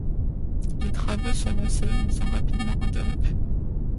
Les travaux sont lancés mais sont rapidement interrompus.